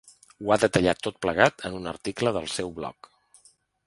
Ho ha detallat tot plegat en un article del seu bloc.